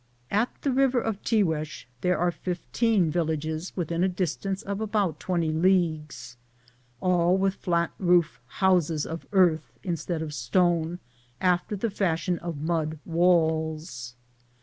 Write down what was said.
At the river of Tihuez there are 15 villages within a distance of about 20 leagues, all with fiat roof houses of earth, instead of stone, after the fashion of mud walls.